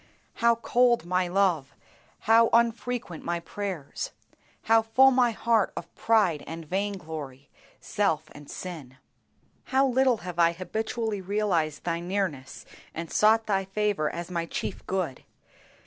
How cold my love, how unfrequent my prayers! How full my heart of pride and vain glory, self and sin! How little have I habitually realized Thy nearness and sought Thy favor as my chief good!